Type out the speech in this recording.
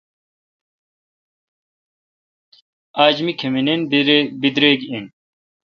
اج می کھمینین بدریگ این